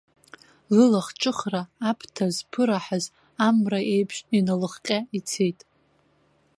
Лылахҿыхра, аԥҭа зԥыраҳаз амра еиԥш, иналыхҟьа ицеит.